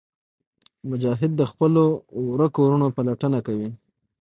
مجاهد د خپلو ورکو وروڼو پلټنه کوي.